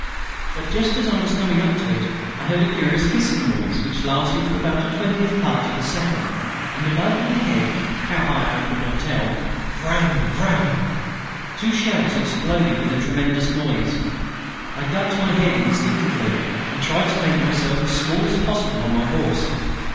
But just as I was coming up to it I heard a curious hissing noise which lasted about the twentieth part of a second, and, above my head how high I could not quite tell vrran!... vrran! two shells exploded with a tremendous noise. I ducked my head instinctively and tried to make myself as small as possible on my horse.